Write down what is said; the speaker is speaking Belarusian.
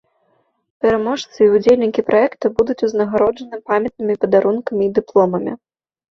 Пераможцы і ўдзельнікі праекта будуць узнагароджаныя памятнымі падарункамі і дыпломамі.